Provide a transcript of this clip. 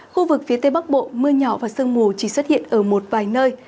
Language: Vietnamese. khu vực phía tây bắc bộ mưa nhỏ và sương mù chỉ xuất hiện ở một vài nơi